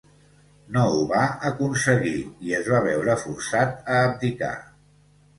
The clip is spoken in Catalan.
No ho va aconseguir i es va veure forçat a abdicar.